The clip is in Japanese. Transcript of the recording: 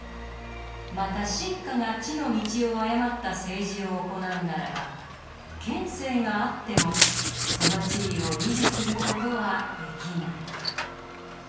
また臣下が地の道を誤った政治を行うならば権勢があってもその地位を維持することはできない」。